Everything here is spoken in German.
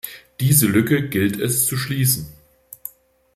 Diese Lücke gilt es zu schließen.